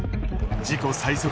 自己最速